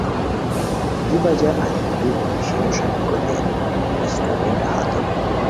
ای بجا ایھہ ریپھی پیشینو ݰپیکوتین ریسٹورنٹہ ہاتام۔